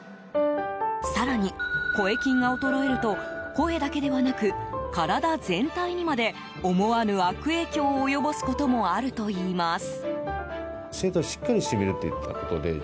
更に、声筋が衰えると声だけではなく体全体にまで思わぬ悪影響を及ぼすこともあるといいます。